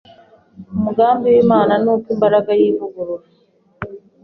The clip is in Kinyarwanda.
Umugambi w’Imana ni uko imbaraga y’ivugurura